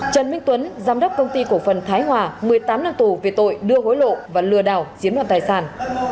trần minh tuấn giám đốc công ty cổ phần thái hòa một mươi tám năm tù về tội đưa hối lộ và lừa đảo chiếm đoạt tài sản